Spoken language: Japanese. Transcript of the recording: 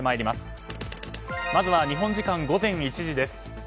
まずは日本時間午前１時です。